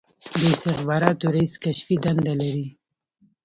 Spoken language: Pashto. د استخباراتو رییس کشفي دنده لري